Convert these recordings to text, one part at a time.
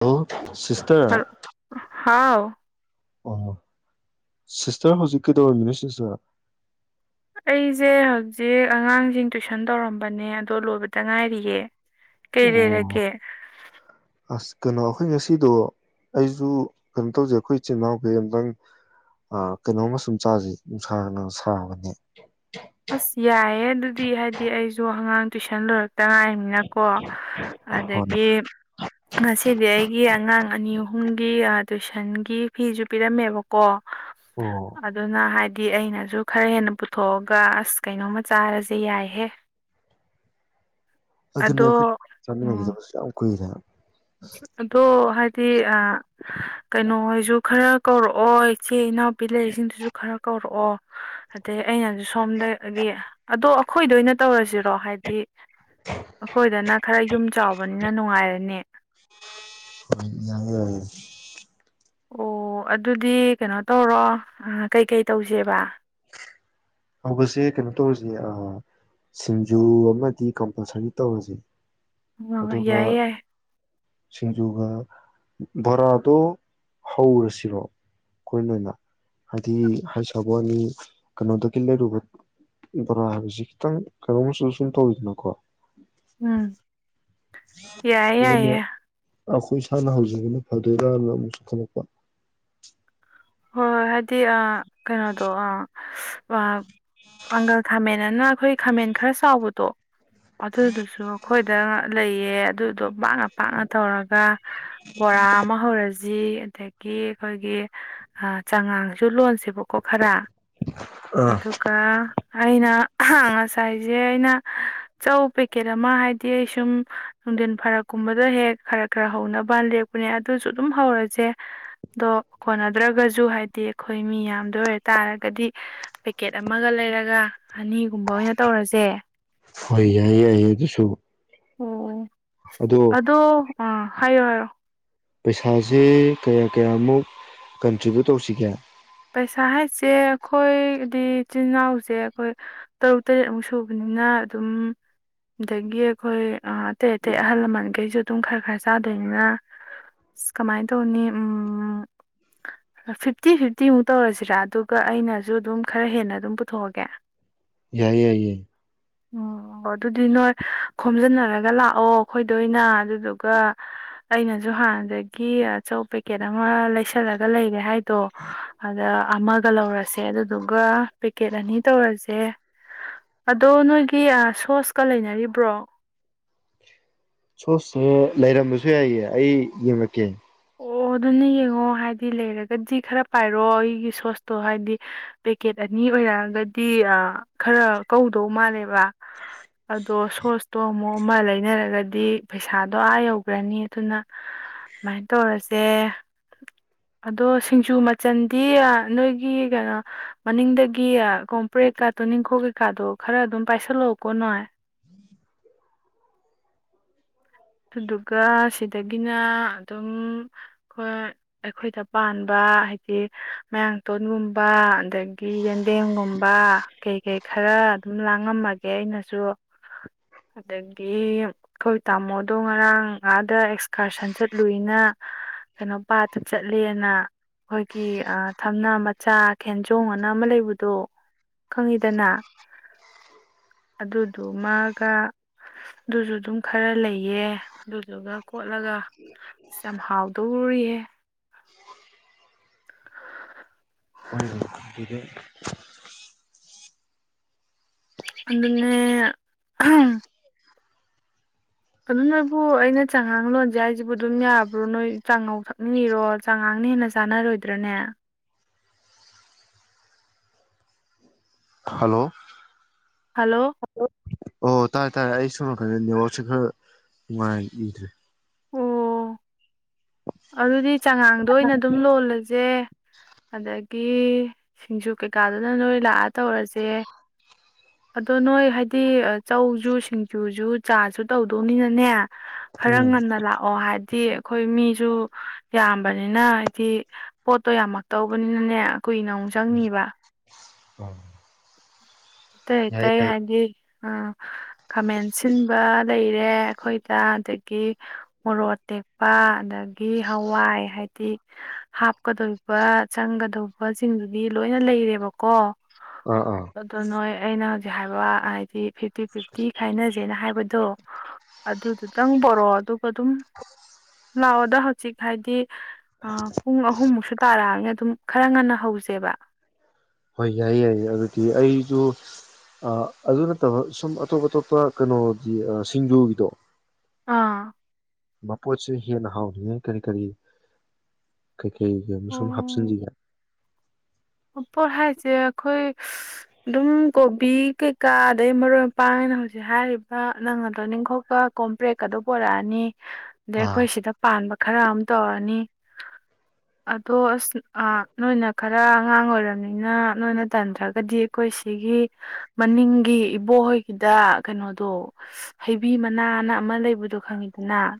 hello sister ꯍꯜ ꯍꯥꯎ ꯑꯣ sister ꯍꯧꯖꯤꯛ ꯀꯩꯗꯧꯔꯝꯃꯤꯅꯣ ꯁꯤꯁꯇꯔ ꯑꯩꯁꯦ ꯍꯧꯖꯤꯛ ꯑꯉꯥꯡꯁꯤꯡ ꯇꯨꯏꯁꯟ ꯇꯧꯔꯝꯕꯅꯦ ꯑꯗꯣ ꯂꯣꯏꯕꯗ ꯉꯥꯏꯔꯤꯌꯦ ꯀꯩ ꯑꯣ ꯂꯩꯔꯒꯦ ꯑꯁ ꯀꯩꯅꯣ ꯑꯩꯈꯣꯏ ꯉꯁꯤꯗꯣ ꯑꯩꯁꯨ ꯀꯩꯅꯣ ꯇꯧꯖꯦ ꯑꯩꯈꯣꯏ ꯏꯆꯤꯜ ꯏꯅꯥꯎꯒꯩ ꯑꯝꯇꯪ ꯑꯥ ꯀꯩꯅꯣꯝꯃ ꯁꯨꯝ ꯆꯥꯁꯦ ꯅꯨꯡꯁꯥꯒꯅ ꯁꯥꯕꯅꯦ ꯑꯁ ꯌꯥꯏꯌꯦ ꯑꯗꯨꯗꯤ ꯍꯥꯏꯗꯤ ꯑꯩꯁꯨ ꯑꯉꯥꯡ ꯇꯨꯢꯁꯟ ꯂꯣꯢꯔꯛ ꯇꯉꯥꯏꯅꯤꯅꯀꯣ ꯍꯣꯏ ꯑꯗꯒꯤ ꯉꯁꯤꯗꯤ ꯑꯩꯒꯤ ꯑꯉꯥꯡ ꯑꯅꯤ ꯑꯍꯨ ꯑꯍꯨꯝꯒꯤ ꯑꯥ ꯇꯨꯏꯁꯟꯒꯤ ꯐꯤꯁꯨ ꯄꯤꯔꯝꯃꯦꯕꯀꯣ ꯑꯣ ꯑꯗꯨꯅ ꯍꯥꯏ ꯗꯤ ꯑꯩꯅꯁꯨ ꯈꯔ ꯍꯦꯟꯅ ꯄꯨꯊꯣꯛ ꯒ ꯑꯁ ꯀꯩꯅꯣꯝꯃ ꯆꯥꯔꯁꯦ ꯌꯥꯏꯍꯦ ꯑꯗꯨꯅꯦ ꯑꯗꯣ ꯑꯩꯈꯣꯏ ꯎꯝ ꯆꯥꯃꯤꯟꯅꯒꯤꯗꯕꯁꯨ ꯌꯥꯝ ꯀꯨꯏꯔꯦ ꯍꯥꯏꯕ ꯑꯗꯣ ꯍꯥꯏꯗꯤ ꯀꯩꯅꯣꯍꯣꯏꯁꯨ ꯈꯔ ꯀꯧꯔꯛ ꯑꯣ ꯏꯆꯦ ꯏꯅꯥꯎꯄꯤ ꯂꯩꯔꯤꯛꯁꯤꯡꯗꯨꯁꯨ ꯈꯔ ꯀꯧꯔꯛꯑꯣ ꯑꯗꯩ ꯑꯩꯅꯁꯨ ꯁꯣꯝꯗꯒꯤ ꯑꯗꯣ ꯑꯩꯈꯣꯏꯗ ꯑꯣꯏꯅ ꯇꯧꯔꯁꯤꯔꯣ ꯍꯥꯏꯗꯤ ꯑꯩꯈꯣꯏꯗꯅ ꯈꯔ ꯌꯨꯝ ꯆꯥꯎꯕꯅꯤ ꯁꯤꯅ ꯅꯨꯡꯉꯥꯏꯔꯅꯤ ꯍꯣꯏ ꯌꯥꯡꯉꯦ ꯌꯥꯌꯦ ꯑꯣ ꯑꯗꯨꯗꯤ ꯀꯩꯅꯣ ꯇꯧꯔꯣ ꯀꯩꯀꯩ ꯇꯧꯁꯦꯕ ꯇꯧꯕꯁꯦ ꯀꯩꯅꯣ ꯇꯧꯔꯁ ꯑꯥ ꯁꯤꯡꯖꯨ ꯑꯃꯗꯤ ꯀꯝꯄꯜꯁꯔꯤ ꯇꯧꯔꯁꯦ ꯄꯨꯉꯥꯎ ꯑꯗꯨꯒ ꯌꯥꯏꯌꯦ ꯌꯥꯏꯌꯦ ꯁꯤꯡꯖꯨꯒ ꯕꯣꯔꯥꯗꯣ ꯍꯧꯔꯁꯤꯔꯣ ꯑꯩꯈꯣꯏꯅ ꯑꯣꯏꯅ ꯍꯥꯏꯗꯤ ꯍꯩ ꯁꯥꯕ ꯑꯅꯤ ꯀꯩꯅꯣꯗ ꯀꯤ ꯂꯩꯔꯨꯕ ꯕꯣꯔꯥ ꯍꯥꯏꯕꯁꯤ ꯈꯤꯇꯪ ꯀꯩꯅꯣꯝꯃ ꯁꯨꯝ ꯁꯨꯝ ꯇꯧꯋꯤꯗꯅꯀꯣ ꯎꯝ ꯌꯥꯢ ꯌꯥꯏ ꯌꯦ ꯑꯗꯨꯅ ꯑꯩꯈꯣꯏ ꯏꯁꯥꯅ ꯍꯧꯖꯦꯡꯕꯅ ꯐꯗꯣꯏꯔꯥꯅ ꯑꯃꯨꯛꯁꯨ ꯈꯜꯂꯛꯄ ꯍꯣꯏ ꯍꯥꯏꯗꯤ ꯑꯥ ꯀꯩꯌꯗꯣ ꯑꯥ ꯋꯥꯞ ꯄꯥꯡꯒꯜ ꯈꯥꯃꯦꯟ ꯑꯅ ꯑꯩꯈꯣꯏ ꯈꯥꯃꯦꯟ ꯈꯔ ꯆꯥꯎꯕꯗꯣ ꯑꯗꯨꯗꯨꯁꯨ ꯑꯩꯈꯣꯏꯗ ꯂꯩꯌꯦ ꯑꯗꯨꯗꯣ ꯄꯥꯛꯅ ꯄꯥꯛꯅ ꯇꯧꯔꯒ ꯕꯣꯔꯥ ꯑꯃ ꯍꯧꯔꯁꯤ ꯖꯤ ꯑꯗꯒꯤ ꯑꯩꯈꯣꯏꯒꯤ ꯑꯥ ꯆꯥꯉꯥꯡꯁꯨ ꯂꯣꯟꯁꯦꯕ ꯀꯣ ꯈꯔ ꯑꯥ ꯑꯗꯨꯒ ꯑꯩꯅ ꯉꯁꯥꯏꯁꯦ ꯑꯩꯅ ꯆꯧ ꯄꯦꯛꯀꯦꯠ ꯑꯃ ꯍꯥꯏꯗꯤ ꯑꯩ ꯁꯨꯝ ꯅꯨꯡꯊꯤꯟ ꯐꯔꯛꯀꯨꯝꯕꯗ ꯍꯦꯛ ꯈꯔ ꯈꯔ ꯍꯧꯅꯕ ꯂꯦꯛꯞꯄꯅꯦ ꯑꯗꯨꯁꯨ ꯑꯗꯨꯝ ꯍꯧꯔꯁꯦ ꯑꯗꯣ ꯀꯣꯟꯅ ꯗ꯭ꯔꯒꯁꯨ ꯍꯥꯏꯗꯤ ꯑꯩꯈꯣꯏ ꯃꯤ ꯌꯥꯝꯗ ꯑꯣꯏꯔ ꯇꯥꯔꯒꯗꯤ ꯄꯦꯀꯦꯠ ꯑꯃꯒ ꯂꯩꯔꯒ ꯑꯅꯤꯒꯨꯝꯕ ꯑꯣꯏꯅ ꯇꯧꯔꯁꯦ ꯍꯣꯏ ꯌꯥꯏ ꯌꯥꯏꯌꯦ ꯑꯗꯨꯁꯨ ꯑꯣ ꯑꯣ ꯑꯗꯣ ꯑꯥ ꯍꯥꯏꯌꯣ ꯍꯥꯏꯌꯣ ꯄꯩꯁꯥꯁꯦ ꯀꯌꯥ ꯀꯌꯥꯃꯨꯛ ꯀꯟꯇ꯭ꯔꯤꯕ꯭ꯌꯨꯠ ꯇꯧꯁꯤꯒꯦ ꯄꯩꯁꯥ ꯍꯥꯏꯁꯦ ꯑꯩꯈꯣꯏꯗꯤ ꯏꯆꯤꯜ ꯏꯅꯥꯎꯁꯦ ꯑꯩꯈꯣꯏ ꯇꯔꯨꯛ ꯇꯔꯦꯠꯃꯨꯛ ꯁꯨꯕꯅꯤꯅ ꯑꯗꯨꯝ ꯑꯗꯒꯤ ꯑꯩꯈꯣꯏ ꯑꯇꯩ ꯑꯇꯩ ꯑꯍꯜ ꯂꯃꯟꯈꯩꯁꯨ ꯑꯗꯨꯝ ꯈꯔ ꯈꯔ ꯆꯥꯗꯣꯏꯅꯤꯅ ꯑ ꯀꯃꯥꯏꯅ ꯇꯧꯅꯤ ꯎꯝ ꯐꯤꯐꯇꯤ ꯐꯤ ꯐꯇꯤꯃꯨꯛ ꯇꯧꯔꯁꯤꯔꯥ ꯑꯗꯨꯒ ꯑꯩꯅꯁꯨ ꯑꯗꯨꯝ ꯈꯔ ꯍꯦꯟꯅ ꯑꯗꯨꯝ ꯄꯨꯊꯣꯛꯑꯒꯦ ꯌꯥꯏ ꯌꯥꯏ ꯌꯥꯏ ꯎꯝ ꯑꯣ ꯑꯗꯨꯗꯤ ꯅꯣꯏ ꯈꯣꯝꯖꯤꯟꯅꯔꯒ ꯂꯥꯛꯑꯣ ꯑꯩꯈꯣꯏꯗ ꯑꯣꯏꯅ ꯑꯗꯨꯗꯨꯒ ꯑꯩꯅꯁꯨ ꯍꯥꯟꯅꯗꯒꯤ ꯆꯧ ꯄꯦꯀꯦꯠ ꯑꯃ ꯂꯩꯁꯜꯂꯒ ꯂꯩꯔꯦ ꯍꯥꯏꯗꯣ ꯑꯃꯒ ꯂꯧꯔꯁꯦ ꯑꯗꯨꯗꯨꯒ ꯄꯦꯛꯀꯦꯠ ꯑꯅꯤ ꯇꯧꯔꯁꯦ ꯑꯗꯣ ꯅꯣꯏꯒꯤ ꯁꯣꯁꯀ ꯂꯩꯅꯔꯤꯕ꯭ꯔꯣ ꯁꯣꯁ ꯁꯦ ꯂꯩꯔꯝꯕꯁꯨ ꯌꯥꯏꯌꯦ ꯑꯩ ꯌꯦꯡ ꯉꯛꯀꯦ ꯑꯣ ꯑꯗꯨꯅ ꯌꯦꯡꯉꯣ ꯍꯥꯏꯗꯤ ꯂꯩꯔꯒꯗꯤ ꯈꯔ ꯄꯥꯏꯔꯣ ꯑꯩꯒꯤ ꯁꯣꯁꯇꯣ ꯍꯥꯏꯗꯤ ꯄꯦꯀꯦꯠ ꯑꯅꯤ ꯑꯣꯏꯔꯛ ꯑꯒꯗꯤ ꯈꯔ ꯀꯧꯗꯧ ꯃꯥꯜꯂꯦꯕ ꯋꯥ ꯑꯗꯨ ꯑꯗꯣ ꯁꯣꯁꯇꯣ ꯑꯃꯨꯛ ꯑꯃ ꯂꯩꯅꯔꯒꯗꯤ ꯄꯩꯁꯥꯗꯣ ꯑꯥ ꯌꯧꯈ꯭ꯔꯅꯤ ꯑꯗꯨꯅ ꯃꯥꯏ ꯇꯧꯔꯁꯦ ꯑꯗꯣ ꯁꯤꯡꯖꯨ ꯃꯆꯟꯗꯤ ꯅꯣꯏꯒꯤ ꯀꯩꯅꯣ ꯃꯅꯤꯡꯗꯒꯤ ꯀꯣꯝꯄ꯭ꯔꯦꯀꯥ ꯇꯣꯅꯤꯡꯈꯣꯛ ꯀꯩꯀꯥꯗꯣ ꯈꯔ ꯑꯗꯨꯝ ꯄꯥꯏꯁꯤꯜꯂꯛꯑꯣꯀꯣ ꯅꯣꯏ ꯑꯗꯨꯒ ꯁꯤꯗꯒꯤꯅ ꯑꯗꯨꯝ ꯈꯣꯢ ꯑꯩꯈꯣꯏꯗ ꯄꯥꯟꯕ ꯍꯥꯏꯗꯤ ꯃꯌꯥꯡꯇꯣꯟꯒꯨꯝꯕ ꯑꯗꯒꯤ ꯌꯦꯟꯗꯦꯝꯒꯨꯝꯕ ꯀꯩ ꯀꯩ ꯈꯔ ꯑꯗꯨꯝ ꯂꯥꯡꯉꯝꯃꯒꯦ ꯑꯩꯅꯁꯨ ꯑꯗꯒꯤ ꯑꯩꯈꯣꯏ ꯇꯥꯃꯣ ꯗꯣꯡꯉꯔꯥꯡ ꯑꯥꯠ ꯗ ꯑꯦꯛꯁ ꯀꯔꯁꯟ ꯆꯠꯂꯨꯏꯅ ꯀꯩꯅꯣ ꯄꯥꯠꯇ ꯆꯠꯂꯦꯅ ꯑꯩꯈꯣꯏꯒꯤ ꯑ ꯊꯝꯅꯥ ꯃꯆꯥ ꯈꯦꯟꯖꯣꯡ ꯑꯅ ꯑꯃ ꯂꯩꯕꯗꯣ ꯈꯪꯉꯤꯗꯅ ꯑꯗꯨꯗꯨꯃꯒ ꯗꯨꯁꯨ ꯗꯨꯝ ꯈꯔ ꯂꯩ ꯌꯦ ꯑꯗꯨꯗꯨꯒ ꯀꯣꯠꯂꯒ ꯑꯁ ꯌꯥꯝ ꯍꯥꯎꯗꯧꯔꯤꯍꯦ [unintelligible] [unintelligible] ꯑꯗꯨꯅꯦ ꯑꯍꯝ ꯑꯗꯨ ꯅꯣꯏꯕꯨ ꯑꯩꯅ ꯆꯉꯥꯡ ꯂꯣꯟꯖꯦ ꯍꯥꯏꯖꯤꯕꯨ ꯑꯗꯨꯝ ꯌꯥꯕ꯭ꯔꯣ ꯅꯣꯏ ꯆꯥꯉꯧ ꯊꯛꯅꯤꯡꯉꯤꯔꯣ ꯆꯉꯥꯡꯅ ꯍꯦꯟꯅ ꯆꯥꯅꯔꯣꯏꯗ꯭ꯔꯅꯦ ꯍꯜꯂꯣ ꯍꯜꯂꯣ ꯑꯣ ꯇꯥꯔꯦ ꯇꯥꯔꯦ ꯑꯩ ꯁꯣꯝꯅꯀꯟꯗ ꯅꯦꯋꯥꯛꯁꯨ ꯈꯔ ꯅꯨꯡꯉꯥꯏꯈꯤꯗ꯭ꯔꯦ ꯑꯣ ꯑꯗꯨꯗꯤ ꯆꯉꯥꯡꯗꯣ ꯑꯣꯏꯅ ꯑꯗꯨꯝ ꯂꯣꯜꯂꯖꯦ ꯑꯗ ꯒꯤ ꯁꯤꯡꯖꯨ ꯀꯩꯀꯥꯗꯨꯅ ꯅꯣꯏ ꯂꯥꯛꯑ ꯇꯧꯔꯖꯦ ꯑꯗꯣ ꯅꯣꯏ ꯍꯥꯏꯗꯤ ꯆꯧꯖꯨ ꯁꯤꯡꯖꯨꯖꯨ ꯆꯥꯁꯨ ꯇꯧꯗꯧꯅꯤꯅꯅꯦ ꯈꯔ ꯎꯝ ꯉꯟꯅ ꯂꯥꯛꯑꯣ ꯍꯥꯏ ꯄꯦ ꯑꯩꯈꯣꯏ ꯃꯤ ꯗꯨ ꯌꯥꯝꯕꯅꯤꯅ ꯍꯥꯏꯗꯤ ꯄꯣꯠꯇꯣ ꯌꯥꯝꯃꯛꯇꯧꯕꯅꯤꯅꯅꯦ ꯀꯨꯏꯅ ꯃꯨꯛ ꯆꯪꯅꯤꯕ ꯑ ꯇꯩ ꯇꯩ ꯍꯥꯏꯗꯤ ꯑ ꯈꯥꯃꯦꯟ ꯁꯤꯟꯕ ꯂꯩ ꯔꯦ ꯑꯩꯈꯣꯏꯗ ꯑꯗꯒꯤ ꯃꯣꯔꯣꯛ ꯑꯇꯦꯛꯄ ꯑꯗꯒꯤ ꯍꯋꯥꯏ ꯍꯥꯏꯗꯤ ꯍꯥꯞꯀꯗꯣꯔꯤꯕ ꯆꯪꯒꯗꯧꯕꯁꯤꯡꯗꯨꯗꯤ ꯂꯣꯏꯅ ꯂꯩꯔꯦꯕꯀꯣ ꯑꯥ ꯑꯥ ꯑꯗꯣ ꯅꯣꯏ ꯑꯩꯅ ꯍꯧꯖꯤꯛ ꯍꯥꯏꯕ ꯍꯥꯏꯗꯤ ꯐꯤꯞꯇꯤ ꯐꯤꯞꯇꯤ ꯈꯥꯏꯅꯖꯦꯅ ꯍꯥꯏꯕꯗꯣ ꯑꯗꯨꯗꯨꯇꯪ ꯄꯣꯔꯛꯑꯣ ꯑꯗꯨꯒ ꯗꯨꯝ [inaudible] ꯂꯥꯛꯑꯣꯗ ꯍꯧꯖꯤꯛ ꯍꯥꯏꯗꯤ ꯑ ꯄꯨꯡ ꯑꯍꯨꯝꯃꯨꯛꯁꯨ ꯇꯥꯔꯛꯑꯅꯤ ꯑꯗꯨꯝ ꯈꯔ ꯉꯟꯅ ꯍꯧꯖꯦꯕ ꯍꯣꯏ ꯌꯥꯏꯌꯦ ꯌꯥꯏꯌꯦ ꯑꯗꯨꯗꯤ ꯑꯩꯖꯨ ꯑ ꯑꯗꯨ ꯅꯠꯇꯕ ꯁꯨꯝ ꯑꯇꯣꯞ ꯑꯇꯣꯞꯄ ꯀꯩꯅꯣꯒꯤ ꯁꯤꯡꯖꯨꯒꯤꯗꯣ ꯑꯥ ꯃꯄꯣꯠꯁꯦ ꯍꯦꯟꯅ ꯍꯥꯎ꯭ꯔꯤꯉꯩ ꯀꯔꯤ ꯀꯔꯤ ꯀꯩꯀꯩꯒ ꯁꯨꯝ ꯑꯣ ꯍꯥꯞꯆꯤꯟꯖꯤꯒꯦ ꯄꯣꯠ ꯍꯥꯏꯁꯦ ꯑꯩꯈꯣꯏ ꯗꯨꯝ ꯀꯣꯕꯤ ꯀꯩꯀꯥ ꯑꯗꯩ ꯃꯔꯣꯏ ꯃꯄꯥꯡꯅ ꯍꯧꯖꯤꯛ ꯍꯥꯏꯔꯤꯕ ꯅꯪꯅ ꯇꯣꯅꯤꯡꯈꯣꯛꯄ ꯀꯣꯝꯄ꯭ꯔꯦꯛꯀ ꯑꯗꯨ ꯄꯣꯔꯛꯑꯅꯤ ꯑꯗꯩ ꯑꯥ ꯑꯩꯈꯣꯏ ꯁꯤꯗ ꯄꯥꯟꯕ ꯈꯔ ꯑꯃ ꯇꯧꯔꯅꯤ ꯑꯗꯣ ꯑꯁ ꯑ ꯅꯣꯏꯅ ꯈꯔ ꯑꯉꯥꯡ ꯑꯣꯏꯔꯝꯅꯤꯅ ꯅꯣꯏꯅ ꯇꯟꯗ꯭ꯔꯒꯗꯤ ꯑꯩꯈꯣꯏ ꯁꯤꯒꯤ ꯃꯅꯤꯡꯒꯤ ꯏꯕꯣꯍꯣꯏꯒꯤꯗ ꯀꯩꯅꯣꯗꯣ ꯍꯩꯕꯤ ꯃꯅꯥꯅ ꯑꯃ ꯂꯩꯕꯗꯣ ꯈꯪꯉꯤꯗꯅ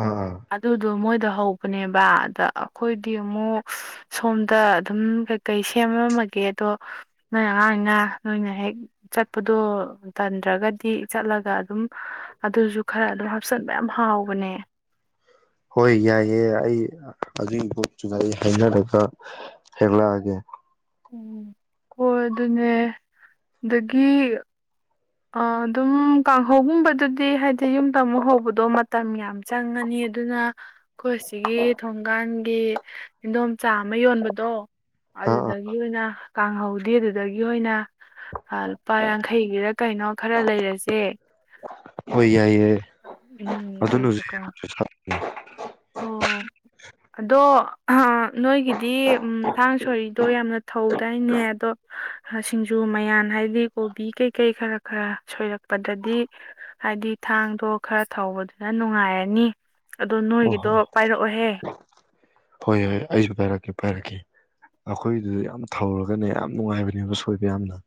ꯑꯥ ꯑꯥ ꯑꯗꯨꯗꯣ ꯃꯣꯏ ꯍꯧꯕꯅꯦꯕ ꯑꯗ ꯑꯩꯈꯣꯏꯗꯤ ꯑꯃꯨꯛ ꯁꯣꯝꯗ ꯑꯗꯨꯝ ꯀꯩ ꯁꯦꯝꯃꯝꯃꯒꯦꯗꯣ ꯅꯣꯏ ꯑꯉꯥꯡꯅꯤꯅ ꯅꯣꯏꯅ ꯍꯦꯛ ꯆꯠꯄꯗꯣ ꯇꯟꯗ꯭ꯔꯒꯗꯤ ꯆꯠꯂꯒ ꯑꯗꯨꯝ ꯑꯗꯨꯁꯨ ꯈꯔ ꯑꯗꯨꯝ ꯍꯥꯞꯆꯟꯕ ꯌꯥꯝ ꯍꯥꯎꯕꯅꯦ ꯍꯣꯏ ꯌꯥꯏꯑꯦ ꯑꯩ ꯑꯗꯨꯒꯤ ꯒ꯭ꯔꯨꯞꯇꯨꯗ ꯑꯩ ꯍꯥꯏꯅꯔꯒ ꯍꯦꯛꯂꯛꯑꯒꯦ ꯎꯝ ꯍꯣꯏ ꯑꯗꯨꯅꯦ ꯑꯗꯒꯤ ꯑꯥ ꯑꯗꯨꯝ ꯀꯥꯡꯍꯧꯒꯨꯝꯕꯗꯨꯗꯤ ꯍꯥꯏꯗꯤ ꯁꯤ ꯌꯨꯝꯗ ꯑꯃꯨꯛ ꯍꯧꯕꯗꯣ ꯃꯠ ꯃꯇꯝ ꯌꯥꯝ ꯆꯪꯉꯅꯤ ꯑꯗꯨꯅ ꯑꯩꯈꯣꯏ ꯁꯤꯒꯤ ꯊꯣꯡꯒꯥꯟꯒꯤ ꯏꯗꯣꯝꯆꯥ ꯑꯃ ꯌꯣꯟꯕꯗꯣ ꯑꯥ ꯑꯥ ꯑꯗꯨꯗꯒꯤ ꯑꯣꯏꯅ ꯀꯥꯡꯍꯧ ꯑꯗꯨꯗꯤ ꯑꯗꯨꯗꯒꯤ ꯑꯣꯏꯅ ꯑꯥ ꯂꯨꯄꯥ ꯌꯥꯡꯈꯩꯒꯤꯔꯥ ꯀꯩꯅꯣ ꯈꯔ ꯂꯩꯔꯖꯦ ꯍꯣꯏ ꯌꯥꯏꯌꯦ ꯎꯝ ꯑꯗꯨꯅꯁꯨ ꯑꯗꯨꯗꯨꯒ ꯍꯦꯟꯅ ꯄꯩꯁꯥ ꯑꯣ ꯑꯗꯣ ꯑꯍ ꯅꯣꯏꯒꯤꯗꯤ ꯊꯥꯡ ꯁꯣꯔꯤꯗꯣ ꯌꯥꯝꯅꯥ ꯊꯧꯗꯥꯏꯅꯦ ꯑꯗꯣ ꯁꯤꯡꯖꯨ ꯃꯌꯥꯟ ꯍꯥꯢꯗꯤ ꯀꯣꯕꯤꯀꯩ ꯀꯩ ꯈꯔ ꯈꯔ ꯁꯣꯏꯔꯛꯄꯗꯗꯤ ꯍꯥꯏꯗꯤ ꯊꯥꯡꯗꯣ ꯈꯔ ꯊꯧꯕꯗꯨꯅ ꯅꯨꯡꯉꯥꯏꯔꯅꯤ ꯑꯗꯣ ꯅꯣꯏꯒꯤ ꯇꯣ ꯍꯣꯏ ꯄꯥꯏꯔꯛꯑꯣꯍꯦ ꯍꯣꯏ ꯍꯣꯏ ꯑꯩꯁꯨ ꯄꯥꯏꯔꯛꯀꯦ ꯄꯥꯏꯔꯛꯀꯦ ꯑꯩꯈꯣꯏꯗꯨꯗꯤ ꯌꯥꯝ ꯊꯧꯔꯒꯅꯦ ꯌꯥꯝ ꯅꯨꯡꯉꯥꯏꯕꯅꯦꯕ ꯁꯣꯏꯕ ꯌꯥꯝꯅ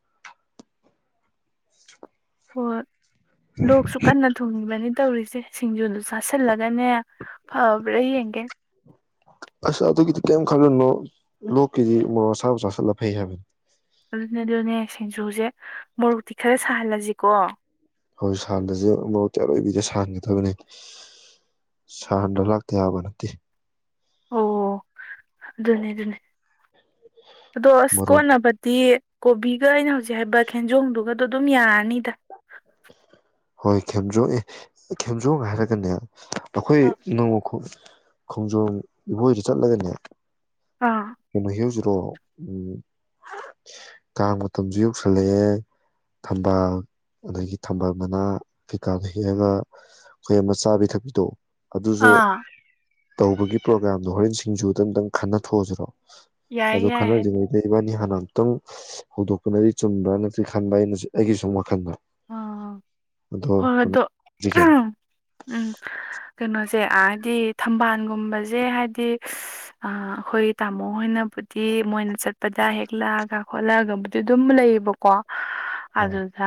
ꯑꯣꯠ ꯂꯣꯛꯁꯨ ꯀꯟꯅ ꯊꯨꯡꯏ ꯕꯅꯤ ꯇꯧꯔꯤꯁꯦ ꯁꯤꯡꯖꯨꯗꯣ ꯆꯥꯁꯤꯜꯂꯒꯅꯦ ꯐꯕ꯭ꯔꯥ ꯌꯦꯡꯒꯦ ꯑꯁ ꯑꯗꯨꯒꯤꯗꯤ ꯀꯔꯤꯝ ꯈꯜꯂꯨꯅꯣ ꯂꯣꯛꯀꯤꯗꯤ ꯃꯣꯔꯣꯛ ꯑꯁꯕ ꯆꯁꯤꯠꯂ ꯐꯩ ꯍꯥꯏꯕꯅꯤ ꯑꯗꯨꯅꯦ ꯑꯗꯨꯅꯦ ꯁꯤꯡꯖꯨꯁꯦ ꯃꯣꯔꯣꯛꯇꯤ ꯈꯔ ꯁꯥꯍꯜꯂꯁꯤꯀꯣ ꯍꯣꯏ ꯁꯍꯟꯗꯖꯨ ꯃꯔꯣꯛꯛꯇꯤ ꯑꯔꯣꯏꯕꯤꯗ ꯁꯍꯥꯟꯒꯗꯕꯅꯤ ꯁꯍꯟꯗ ꯂꯥꯛꯇ ꯌꯥꯕ ꯅꯠꯇꯦ ꯑꯣ ꯑꯗꯨꯅꯦ ꯑꯗꯨꯅꯦ ꯑꯗꯣ ꯑꯁ ꯃꯔꯣꯛ ꯀꯣꯠꯅꯕꯗꯤ ꯀꯣꯕꯤꯒ ꯑꯩꯅ ꯍꯧꯖꯤꯛ ꯍꯥꯏꯕ ꯈꯦꯟꯖꯣꯗꯨꯒꯗꯣ ꯑꯗꯨꯝ ꯌꯥꯔꯅꯤꯗ ꯍꯣꯏ ꯈꯦꯝꯖꯣ ꯑꯦ ꯈꯦꯝꯖꯣꯡ ꯍꯥꯏꯔꯒꯅꯦ ꯑꯩꯈꯣꯏ ꯅꯣꯡꯉꯈꯣ ꯈꯣꯡꯖꯣꯝ ꯏꯕꯣꯛ ꯍꯣꯏꯗ ꯆꯠꯂꯒꯅꯦ ꯑꯥ ꯅꯣꯡꯃ ꯍꯦꯛꯎꯁꯤꯔꯣ ꯀꯥꯡ ꯃꯇꯝꯁꯨ ꯌꯧꯁꯜꯂꯛꯑꯦ ꯊꯝꯕꯥꯜ ꯑꯗꯒꯤ ꯊꯝꯕꯥꯜ ꯃꯅꯥ ꯀꯩꯀꯥꯗ ꯍꯦꯛꯑꯒ ꯑꯩꯈꯣꯏ ꯑꯃ ꯆꯥꯕꯤ ꯊꯛꯄꯤꯗꯣ ꯑꯗꯨꯁꯨ ꯑꯥ ꯇꯧꯕꯒꯤ ꯄ꯭ꯔꯣꯒꯥꯝꯗꯣ ꯍꯣꯔꯦꯟ ꯁꯤꯡꯖꯨꯗ ꯑꯝꯇꯪ ꯈꯟꯅꯊꯣꯛꯑꯁꯤꯔꯣ ꯑꯗꯣ ꯌꯥꯏꯌꯦ ꯌꯥꯏ ꯍꯥꯏꯗꯤ ꯈꯟꯅꯗ꯭ꯔꯤꯉꯩꯗꯩ ꯏꯕꯥꯅꯤ ꯍꯥꯟ ꯍꯥꯟꯅ ꯑꯃꯨꯛꯇꯪ ꯍꯧꯗꯣꯛꯄꯅꯗꯤ ꯆꯨꯝꯕ꯭ꯔꯥꯅꯗꯤ ꯈꯟꯕ ꯑꯩꯅꯖꯨ ꯑꯩꯒꯤ ꯁꯨꯝ ꯋꯥꯈꯟꯗ ꯑꯥ ꯍꯣ ꯑꯗꯣ ꯍꯣꯏ ꯑꯗꯨ ꯀꯃꯥꯏꯒꯦ ꯑꯍ ꯀꯦꯅꯣꯁꯦ ꯑꯗꯤ ꯊꯝꯕꯜꯒꯨꯝꯕꯁꯦ ꯍꯥꯏꯗꯤ ꯑꯥꯥ ꯑꯩꯈꯣꯏ ꯇꯥꯃꯣ ꯍꯣꯏꯅꯕꯨꯗꯤ ꯃꯣꯏꯅ ꯆꯠꯄꯗ ꯍꯦꯛꯂꯛꯑꯒ ꯈꯣꯠꯂꯛꯑꯒꯕꯨꯗꯤ ꯑꯗꯨꯝ ꯂꯩꯌꯦꯕꯀꯣ ꯑꯥ ꯑꯗꯨꯗ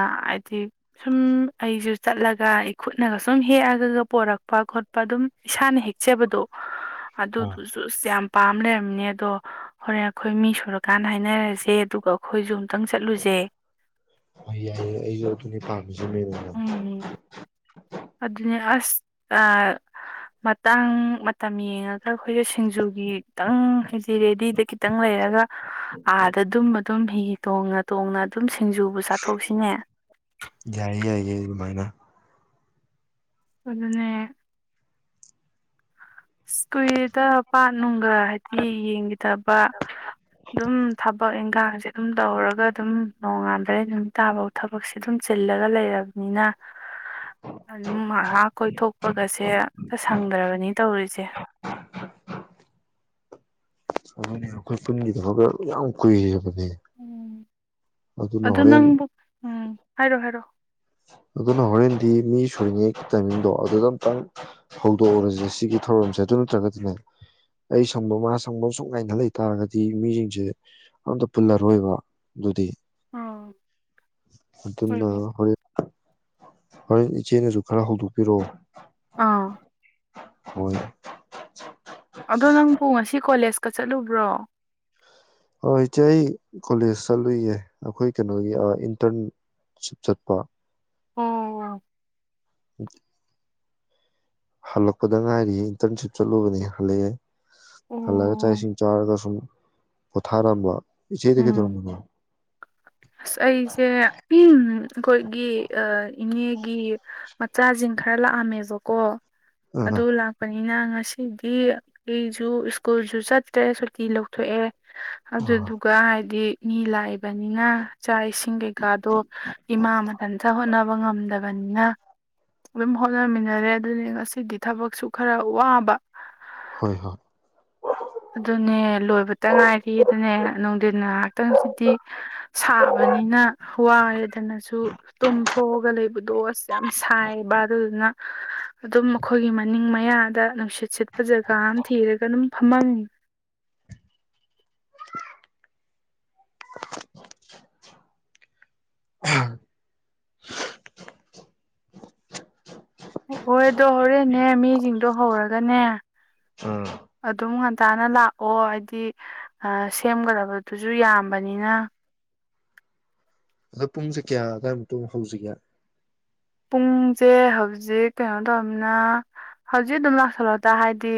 ꯁꯨꯝ ꯑꯩꯁꯨ ꯆꯠꯂꯒ ꯑꯩ ꯈꯨꯠꯅꯒ ꯁꯨꯝ ꯍꯦꯛꯑꯒꯒ ꯄꯣꯔꯛꯄ ꯈꯣꯠꯄ ꯑꯗꯨꯝ ꯏꯁꯥꯅ ꯍꯦꯛꯆꯕꯗꯣ ꯑꯥ ꯑꯗꯨꯗꯨ ꯁꯨꯁ ꯌꯥꯝ ꯄꯥꯝ ꯂꯩꯔꯝꯅꯦ ꯑꯗꯣ ꯍꯣꯔꯦꯟ ꯑꯩꯈꯣꯏ ꯃꯤ ꯁꯨꯔꯀꯥꯟꯗ ꯍꯥꯏꯅꯔꯁꯦ ꯑꯗꯨꯒ ꯑꯩꯈꯣꯏꯁꯨ ꯈꯤꯇꯪ ꯆꯠꯂꯨꯁꯦ ꯀꯤꯂꯤꯐꯥꯡ ꯖꯤꯃꯤꯟꯅ ꯎꯝ ꯑꯗꯨꯅꯦ ꯑꯁ ꯑ ꯃꯇꯥꯡ ꯃꯇꯝ ꯌꯦꯡꯉꯒ ꯑꯩꯈꯣꯏꯁꯨ ꯁꯤꯡꯖꯨꯒꯤ ꯈꯤꯇꯪ ꯍꯥꯏꯗꯤ ꯔꯦꯗꯤꯗ ꯈꯤꯇꯪ ꯂꯩꯔꯒ ꯑꯥꯗ ꯑꯗꯨꯝ ꯑꯗꯨꯝ ꯍꯤ ꯇꯣꯡꯅ ꯇꯣꯡꯅ ꯑꯗꯨꯝ ꯁꯤ ꯁꯤꯡꯖꯨꯕꯨ ꯆꯥꯊꯣꯛꯁꯤꯅꯦ ꯌꯥꯏꯌꯦ ꯌꯥꯏꯌꯦ ꯑꯗꯨꯃꯥꯏꯅ ꯑꯗꯨꯅꯦ ꯁ ꯀꯨꯏꯔꯦꯗ ꯄꯥꯠꯅꯨꯡ ꯑ ꯍꯥꯏꯗꯤ ꯌꯦꯡꯈꯤꯗꯕ ꯑꯗꯨꯝ ꯊꯕꯛ ꯏꯟꯈꯥꯡꯁꯦ ꯑꯗꯨꯝ ꯇꯧꯔꯒ ꯑꯗꯨꯝ ꯅꯣꯡꯉꯥꯟꯕꯗꯩ ꯅꯨꯃꯤꯠ ꯇꯥꯕꯧ ꯊꯕꯛꯁꯦ ꯑꯗꯨꯝ ꯆꯤꯜꯂꯒ ꯂꯩꯔꯕꯅꯤꯅ ꯑꯗꯨꯝ ꯃꯥꯛꯉꯥꯛ ꯀꯣꯏꯊꯣꯛꯄꯒꯁꯦ ꯁꯪꯗ꯭ꯔꯕꯅꯤ ꯖꯦ ꯑꯗꯨꯅꯦ ꯑꯩꯈꯣꯏ ꯄꯨꯟꯒꯤꯗꯕꯒ ꯌꯥꯝ ꯀꯨꯏꯔꯦꯕ ꯒꯦ ꯎꯝ ꯑꯗꯨ ꯅꯪꯕꯨ ꯎꯝ ꯍꯥꯏꯔꯣ ꯍꯥꯏꯔꯣ ꯑꯗꯨꯅ ꯍꯣꯔꯦꯟꯗꯤ ꯃꯤ ꯁꯨꯢꯔꯤꯉꯩ ꯇꯥꯏꯃꯤꯡꯗꯣ ꯑꯗꯨꯗ ꯑꯝꯇꯪ ꯍꯧꯗꯣꯛꯍꯧꯔꯁꯦ ꯁꯤꯒꯤ ꯊꯧꯔꯝꯁꯦ ꯑꯗꯨ ꯅꯠꯇ꯭ꯔꯒꯗꯤꯅꯦ ꯑꯩ ꯁꯪꯕ ꯃꯥ ꯁꯪꯕ ꯁꯨꯝ ꯉꯥꯏꯅ ꯂꯩ ꯇꯥꯔꯒꯗꯤ ꯃꯤꯁꯤꯡꯁꯦ ꯑꯝꯇ ꯄꯨꯜꯂꯔꯣꯏꯕ ꯑꯗꯨꯗꯤ ꯑ ꯍꯣꯏ ꯑꯗꯨꯝꯅ ꯍꯣꯏ ꯍꯣꯔꯦꯟ ꯍꯣꯔꯦꯟ ꯏꯆꯦꯅꯁꯨ ꯈꯔ ꯍꯧꯗꯣꯛꯄꯤꯔꯛꯑꯣ ꯑꯥ ꯍꯣꯢ [inaudible] ꯑꯗꯣ ꯅꯪꯕꯨ ꯉꯁꯤ ꯀꯣꯂꯦꯖ ꯀꯆꯠꯂꯨꯕ꯭ꯔꯣ ꯑꯥ ꯏꯆꯦ ꯑꯩ ꯀꯣꯂꯦꯖ ꯆꯠꯂꯨꯏꯌꯦ ꯑꯩꯈꯣꯏ ꯀꯩꯅꯣꯒꯤ ꯑ ꯏꯟꯇꯔꯟꯁꯤꯞ ꯆꯠꯄ ꯑꯣ [inaudible] ꯍꯜꯂꯛꯄꯗ ꯉꯥꯏꯔꯤꯌꯦ ꯏꯟꯇꯔꯟꯁꯤꯞ ꯆꯠꯂꯨꯕꯅꯦ ꯍꯜꯂꯛꯑꯦ ꯑꯣ ꯍꯜꯂꯛꯑ ꯆꯥꯛ ꯏꯁꯤꯡ ꯆꯥꯎꯔꯒ ꯁꯨꯝ ꯄꯣꯊꯥꯔꯝꯕ ꯏꯆꯦꯗꯤ ꯎꯝ ꯀꯩꯗꯧꯔꯝꯃꯤꯅꯣ ꯑꯁ ꯑꯩꯁꯦ ꯑꯝ ꯑꯩꯈꯣꯏꯒꯤ ꯑ ꯏꯅꯦꯒꯤ ꯃꯆꯥꯁꯤꯡ ꯈꯔ ꯂꯥꯛꯑꯝꯃꯦꯕꯀꯣ ꯑꯥ ꯑꯗꯨ ꯂꯥꯛꯄꯅꯤꯅ ꯉ ꯑꯁꯤꯗꯤ ꯑꯩꯁꯨ ꯁ꯭ꯀꯨꯜꯁꯨꯨ ꯆꯠꯇ꯭ꯔꯦ ꯁꯨꯇꯤ ꯂꯧꯊꯣꯛꯑꯦ ꯑꯥ ꯑꯗꯨꯗꯨꯒ ꯍꯥꯏꯗꯤ ꯃꯤ ꯂꯥꯛꯏꯕꯅꯤꯅ ꯆꯥꯛ ꯏꯁꯤꯡ ꯀꯩꯀꯥꯗꯣ ꯏꯃꯥ ꯃꯊꯟꯇ ꯍꯣꯠꯅꯕ ꯉꯝꯗꯕꯅꯤꯅ ꯑꯗꯨꯝ ꯍꯣꯠꯅꯃꯤꯟꯅꯔꯦ ꯑꯗꯨꯅꯤ ꯉꯁꯤꯗꯤ ꯊꯕꯛꯁꯨ ꯈꯔ ꯋꯥꯕ ꯍꯣꯏ ꯍꯣꯏ ꯑꯗꯨꯅꯦ ꯂꯣꯏꯕꯇ ꯉꯥꯏꯔꯤ ꯗꯨꯅꯦ ꯅꯨꯡꯊꯤꯟ ꯉꯥꯏꯍꯥꯛꯇꯪꯁꯤꯗꯤ ꯁꯥꯕꯅꯤꯅ ꯋꯥꯔꯦꯗꯅꯁꯨ ꯇꯨꯝꯊꯣꯛꯑꯒ ꯂꯩꯕꯗꯣ ꯑꯁ ꯌꯥꯝ ꯁꯥꯏꯌꯦꯕ ꯑꯗꯨꯗꯨꯅ ꯑꯗꯨꯝ ꯑꯩꯈꯣꯏꯒꯤ ꯃꯅꯤꯡ ꯃꯌꯥꯗ ꯅꯨꯡꯁꯤꯠ ꯁꯤꯠꯄ ꯖꯒꯥ ꯑꯃ ꯊꯤꯔꯒ ꯑꯗꯨꯝ ꯐꯝꯃꯝꯃꯤ [inaudible] ꯍꯣꯏꯗꯣ ꯍꯣꯔꯦꯟꯅꯦ ꯃꯤꯁꯤꯡꯗꯣ ꯍꯧꯔꯒꯅꯦ ꯑꯥ ꯑꯗꯨꯝ ꯉꯟ ꯉꯟꯇꯥꯥꯅ ꯂꯥꯛꯑꯣ ꯍꯥꯏꯗꯤ ꯁꯦꯝꯒꯗꯕꯗꯨꯁꯨ ꯌꯥꯝꯕꯅꯤꯅ ꯑꯗꯣ ꯄꯨꯡꯁꯦ ꯀꯌꯥ ꯑꯗꯥꯏꯃꯨꯛꯇꯣ ꯍꯧꯁꯤꯒꯦ ꯄꯨꯡꯁꯦ ꯍꯧꯖꯤꯛ ꯀ꯭ꯌꯥꯅꯣ ꯇꯧꯅꯤꯅ ꯍꯧꯖꯤꯛ ꯑꯗꯨꯝ ꯂꯥꯛꯁꯜꯂꯣꯗ ꯍꯥꯏꯗꯤ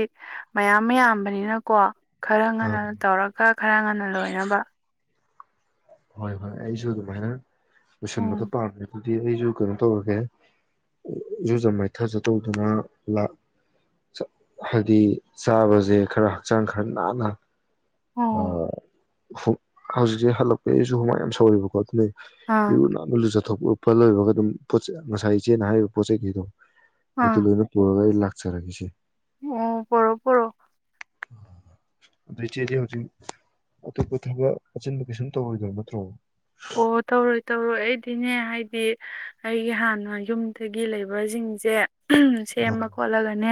ꯃꯌꯥꯝ ꯌꯥꯝꯕꯅꯤꯅꯀꯣ ꯈꯔ ꯑꯥ ꯉꯟꯅ ꯇꯧꯔꯒ ꯈꯔ ꯉꯟꯅ ꯂꯣꯏꯅꯕ ꯍꯣꯏ ꯍꯣꯏ ꯑꯩꯁꯨ ꯑꯗꯨꯨꯃꯥꯏꯅ ꯂꯣꯏꯁꯟꯕꯒ ꯎꯝ ꯄꯥꯝꯗ꯭ꯔꯦ ꯍꯥꯏꯗꯤ ꯑꯩꯁꯨ ꯀꯩꯅꯣ ꯇꯧꯔꯒꯦ ꯏꯔꯨꯖ ꯃꯥꯏꯊꯖ ꯇꯧꯗꯨꯅ ꯂꯥꯛ ꯍꯥꯏꯗꯤ ꯆꯥꯕꯁꯦ ꯈꯔ ꯍꯛꯆꯥꯡ ꯈꯔ ꯅꯥꯟꯅ ꯑꯣ ꯑꯣ ꯍꯧꯖꯤꯛꯁꯦ ꯍꯜꯂꯛꯄꯩ ꯑꯩꯁꯨ ꯍꯨꯃꯥꯡ ꯌꯥꯝ ꯁꯧꯔꯤꯕꯀꯣ ꯑꯗꯨꯅ ꯑꯥ ꯏꯔꯨ ꯅꯥꯟꯅ ꯂꯨꯖ ꯄꯨꯊꯣꯛ ꯎꯄ ꯂꯣꯏꯕꯒ ꯑꯗꯨꯝ ꯄꯣꯠ ꯉꯁꯥꯏ ꯏꯆꯦꯅ ꯍꯥꯏꯔꯤꯕ ꯄꯣꯠ ꯆꯩꯒꯤꯗꯣ ꯑꯗꯨ ꯑꯥ ꯂꯣꯏꯔ ꯑꯩ ꯄꯨꯔꯥ ꯂꯥꯛ [unintelligible] ꯑꯣ ꯄꯔꯣꯑꯣ ꯄꯔꯣ ꯑꯗꯨꯏ ꯆꯦꯗꯤ ꯑꯇꯣꯞꯄ ꯊꯕꯛ ꯑꯆꯤꯟꯕ ꯀꯩꯁꯨꯝ ꯇꯧꯔꯣꯏꯗꯕ ꯅꯠꯇ꯭ꯔꯣ ꯑꯣ ꯇꯧꯔꯣꯏ ꯇꯧꯔꯣꯏ ꯑꯩꯗꯤꯅꯦ ꯍꯥꯏꯗ ꯍꯥꯏꯗꯤ ꯑꯩꯒꯤ ꯍꯥꯟꯅ ꯌꯨꯝꯗꯒꯤ ꯂꯩꯕꯁꯤꯡꯁꯦ ꯑꯥ ꯁꯦꯝꯃ ꯈꯣꯠꯂꯒꯅꯦ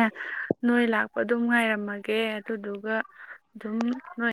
ꯅꯣꯏ ꯂꯥꯛ ꯑꯗꯨꯝ ꯉꯥꯏꯔꯝꯃꯒꯦ ꯑꯗꯨꯗꯨꯒ ꯑꯗꯨꯝ ꯅꯣꯏ